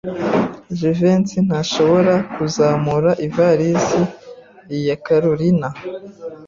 Jivency ntashobora kuzamura ivalisi ya Kalorina.